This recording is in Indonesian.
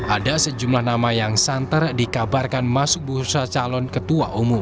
ada sejumlah nama yang santer dikabarkan masuk bursa calon ketua umum